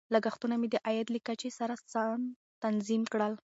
لګښتونه مې د عاید له کچې سره سم تنظیم کړل.